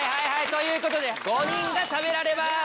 という事で５人が食べられます！